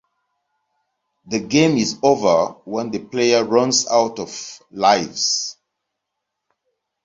The game is over when the player runs out of lives.